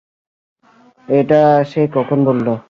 এটা সে কখন বললো?